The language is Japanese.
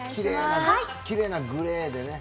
きれいなグレーでね。